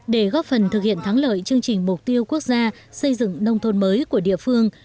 để góp phần thực hiện thắng lợi chương trình mục tiêu quốc gia xây dựng nông thôn mới của địa phương